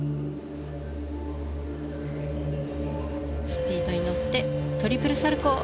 スピードに乗ってトリプルサルコウ。